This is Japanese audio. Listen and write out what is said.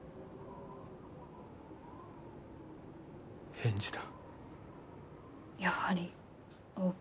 返事だ。